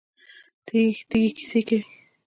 تیږې کیسې کوي.